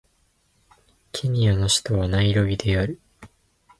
ケニアの首都はナイロビである